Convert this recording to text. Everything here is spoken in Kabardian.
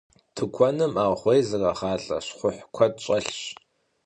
Тыкуэным аргъуей зэрагъалӏэ щхъухь куэд щӏэлъщ.